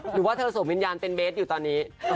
หรือว่าเธอสวมวิญญาณเป็นเบสอยู่ตอนนี้